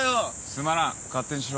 つまらん勝手にしろ。